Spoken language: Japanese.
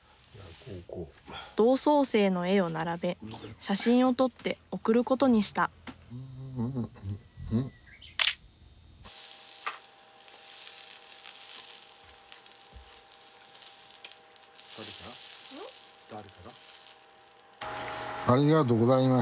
同窓生の絵を並べ写真を撮って送ることにしたなんでや。